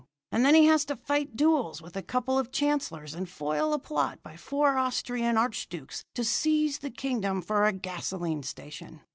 And then he has to fight duels with a couple of chancellors, and foil a plot by four Austrian archdukes to seize the kingdom for a gasoline station.